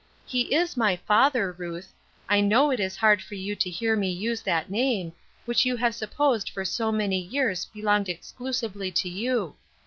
He is my father, Ruth. 1 know it* is hard for you to hear me use that name, which you have supposed for so many years belonged exclusively to you.